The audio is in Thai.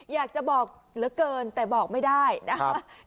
อยากจะบอกเหลือเกินแต่บอกไม่ได้นะครับ